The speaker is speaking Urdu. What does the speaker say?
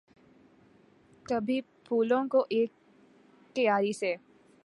کبھی پھولوں کی اک کیاری سی